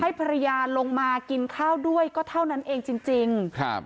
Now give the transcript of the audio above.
ภรรยาลงมากินข้าวด้วยก็เท่านั้นเองจริงจริงครับ